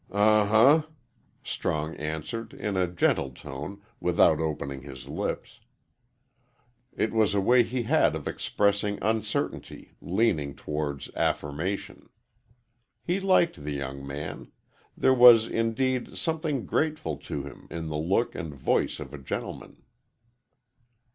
"Uh huh!" Strong answered, in a gentle tone, without opening his lips. It was a way he had of expressing uncertainty leaning towards affirmation. He liked the young man; there was, indeed, something grateful to him in the look and voice of a gentleman.